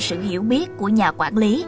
sự hiểu biết của nhà quản lý